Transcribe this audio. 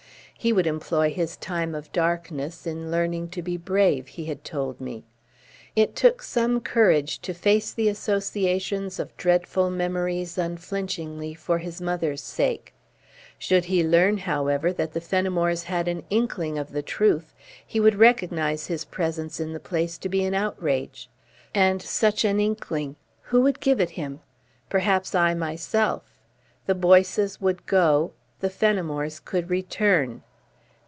He would employ his time of darkness in learning to be brave, he had told me. It took some courage to face the associations of dreadful memories unflinchingly, for his mother's sake. Should he learn, however, that the Fenimores had an inkling of the truth, he would recognise his presence in the place to be an outrage. And such inkling who would give it him? Perhaps I, myself. The Boyces would go the Fenimores could return.